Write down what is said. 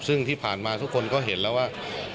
ซึ่งที่ผ่านมาทุกคนก็เห็นแล้วว่า